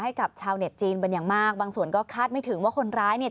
ให้กับชาวเน็ตจีนเป็นอย่างมากบางส่วนก็คาดไม่ถึงว่าคนร้ายเนี่ย